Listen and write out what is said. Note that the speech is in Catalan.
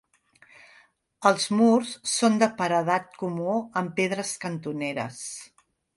Els murs són de paredat comú amb pedres cantoneres.